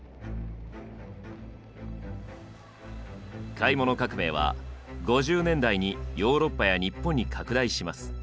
買い物革命は５０年代にヨーロッパや日本に拡大します。